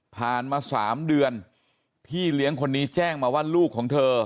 ผ่านมา๓เดือนพี่เลี้ยงคนนี้แจ้งมาว่าลูกของเธอ